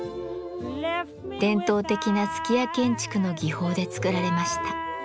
伝統的な数寄屋建築の技法でつくられました。